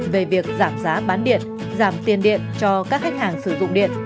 về việc giảm giá bán điện giảm tiền điện cho các khách hàng sử dụng điện